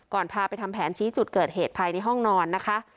พาไปทำแผนชี้จุดเกิดเหตุภายในห้องนอนนะคะ